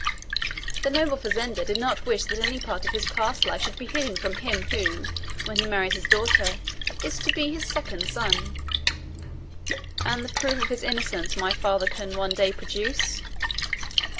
"The noble fazender did not wish that any part of his past life should be hidden from him who, when he marries his daughter, is to be his second son." "And the proof of his innocence my father can one day produce?"